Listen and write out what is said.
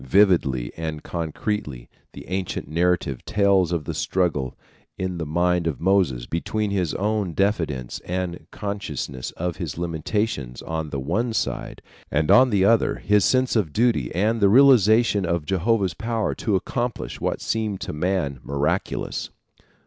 Vividly and concretely the ancient narrative tells of the struggle in the mind of Moses between his own diffidence and consciousness of his limitations on the one side and on the other his sense of duty and the realization of Jehovah's power to accomplish what seemed to man miraculous.